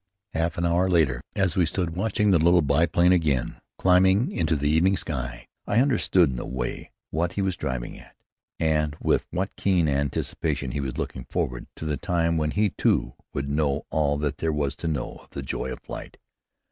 Half an hour later, as we stood watching the little biplane again climbing into the evening sky, I understood, in a way, what he was driving at, and with what keen anticipation he was looking forward to the time when we too would know all that there was to know of the joy of flight.